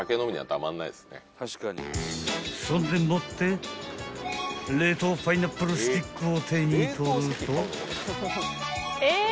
［そんでもって冷凍パイナップルスティックを手に取ると］